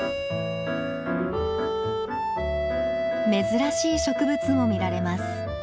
珍しい植物も見られます。